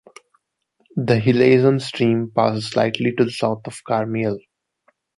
The Hilazon Stream passes slightly to the south of Karmiel.